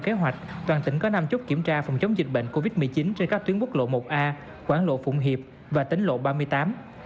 tỉnh bạc liêu tỉnh bạc liêu tỉnh bạc liêu tỉnh bạc liêu tỉnh bạc liêu tỉnh bạc liêu